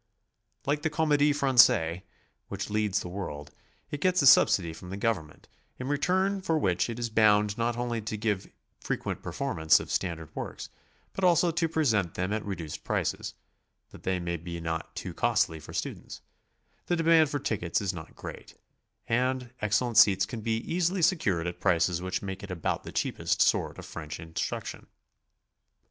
Like the Comedie Francaise, which leads the world, it gets a subsidy from the govern ment, in return for which it is bound not only to give fre quent performances of standard works, but also to present them at reduced prices, that they may not be too costly for students; the demand for tickets is not great, and excellent seats can be easily secured at prices which make it about the cheapest sort of French instruction.